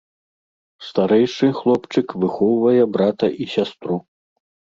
Старэйшы хлопчык выхоўвае брата і сястру.